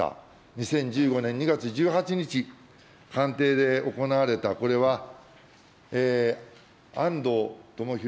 ２０１５年２月１８日、官邸で行われた、これは安藤友裕